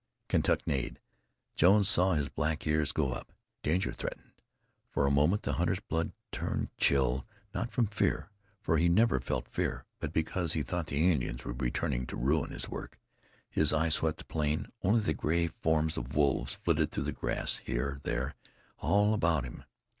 Kentuck neighed. Jones saw his black ears go up. Danger threatened. For a moment the hunter's blood turned chill, not from fear, for he never felt fear, but because he thought the Indians were returning to ruin his work. His eye swept the plain. Only the gray forms of wolves flitted through the grass, here, there, all about him.